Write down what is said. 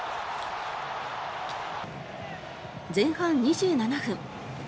前半２７分。